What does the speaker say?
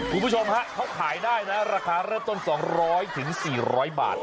คุณผู้ชมฮะเขาขายได้นะราคาเริ่มต้น๒๐๐๔๐๐บาท